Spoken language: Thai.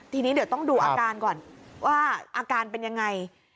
ทีนี้เดี๋ยวต้องดูอาการก่อนว่าอาการเป็นยังไง